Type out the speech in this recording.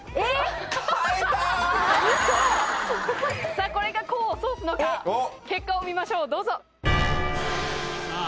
さあこれが功を奏すのか結果を見ましょうどうぞさあ